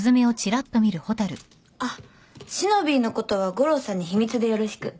あっしのびぃのことは悟郎さんに秘密でよろしく。